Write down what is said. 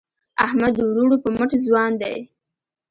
احمد د وروڼو په مټ ځوان دی.